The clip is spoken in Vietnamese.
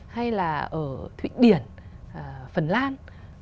hay là ở thụy điển phần lan